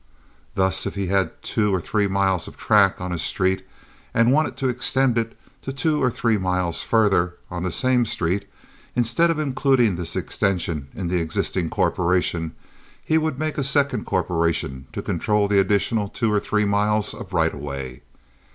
Thus, if he had two or three miles of track on a street, and he wanted to extend it two or three miles farther on the same street, instead of including this extension in the existing corporation, he would make a second corporation to control the additional two or three miles of right of way.